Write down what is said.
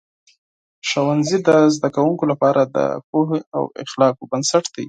ښوونځي د زده کوونکو لپاره د علم او اخلاقو بنسټ دی.